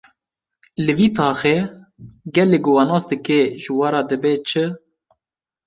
Li vî taxê gelê ku we nas dike ji we re dibê çi?